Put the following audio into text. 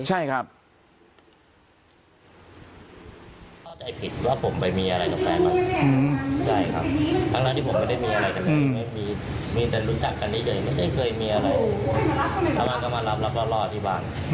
ใช่ครับ